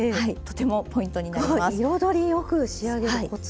彩りよく仕上げるコツ。